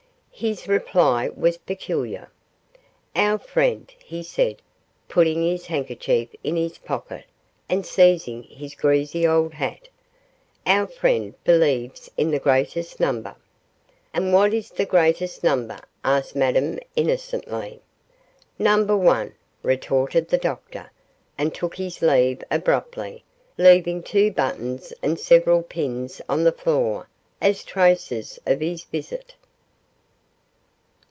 His reply was peculiar. 'Our friend,' he said, putting his handkerchief in his pocket and seizing his greasy old hat, 'our friend believes in the greatest number.' 'And what is the greatest number?' asked Madame, innocently. 'Number one,' retorted the Doctor, and took his leave abruptly, leaving two buttons and several pins on the floor as traces of his visit.